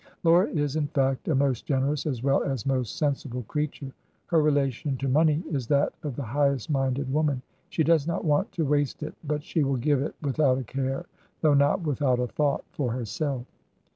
Laura is, in fact, a most generous as well as most sensible creature. Her relation to money is that of the highest minded woman ; she does not want to waste it, but she will give it without a care, though not with out a thought, for herself.